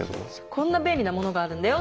「こんな便利なものがあるんだよ